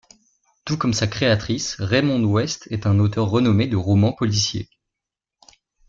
Tout comme sa créatrice, Raymond West est un auteur renommé de romans policiers.